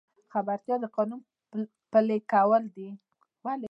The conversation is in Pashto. خبرتیا د قانون پلي کول دي